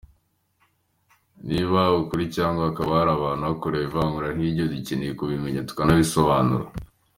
"Niba ari ukuri cyangwa hakaba hari abantu bakorewe ivangura nk'iryo, ducyeneye kubimenya tukanabikosora".